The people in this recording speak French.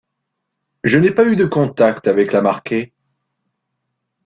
Je n’ai pas eu de contact avec la Marquet.